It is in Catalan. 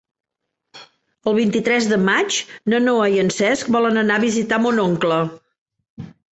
El vint-i-tres de maig na Noa i en Cesc volen anar a visitar mon oncle.